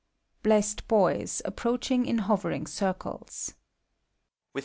BLESSED BOYS (approaching in hovering circles).